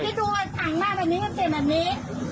พี่ดูไว้ถังหน้าแบบนี้ก็เปลี่ยนแบบนี้